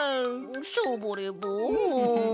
ショボレボン。